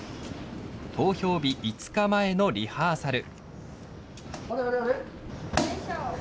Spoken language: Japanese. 投票５日前のリハーサル。